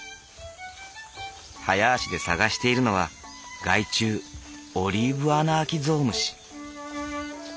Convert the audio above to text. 早足で探しているのは害虫オリーブアナアキゾウムシ。